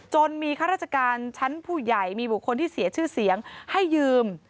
มีข้าราชการชั้นผู้ใหญ่มีบุคคลที่เสียชื่อเสียงให้ยืม